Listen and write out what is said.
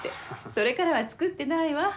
それからは作ってないわ。